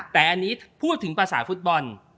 แต่อันนี้พูดถึงภาษาฟุตบอล